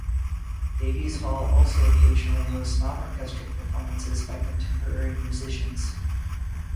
Davies Hall also occasionally hosts non-orchestral performances by contemporary musicians.